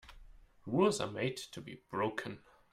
Rules are made to be broken.